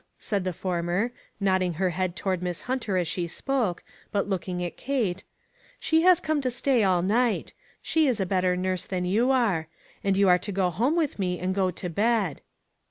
" Child," said the former, nodding her head toward Miss Hunter as she spoke, but DISCIPLINE. 355 looking at Kate, " she has come to stay all night. She is a better nurse than you are ; and you are to go home with me and go to bed."